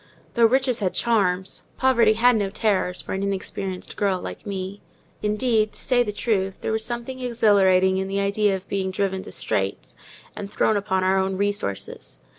Though riches had charms, poverty had no terrors for an inexperienced girl like me. Indeed, to say the truth, there was something exhilarating in the idea of being driven to straits, and thrown upon our own resources.